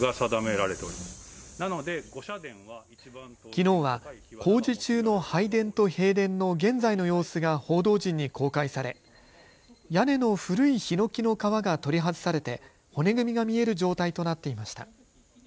きのうは工事中の拝殿と幣殿の現在の様子が報道陣に公開され屋根の古いひのきの皮が取り外されて骨組みが見える状態となっていました。